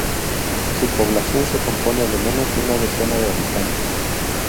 Su población se compone de menos de una decena de habitantes.